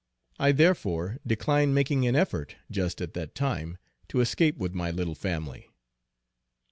I therefore declined making an effort just at that time to escape with my little family.